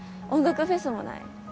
音楽フェスもない。